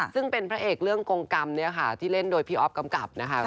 ซึ่งเป็นพระเอกเรื่องกรงกรรมเนี่ยค่ะที่เล่นโดยพี่อ๊อฟกำกับนะคะ